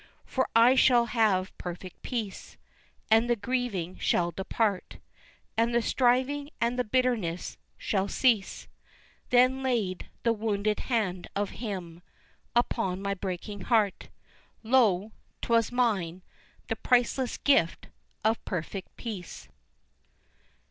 For I shall have perfect peace, And the grieving shall depart, And the striving and the bitterness shall cease, Then laid the wounded hand of Him Upon my breaking heart, Lo, 'twas mine the priceless gift of Perfect Peace.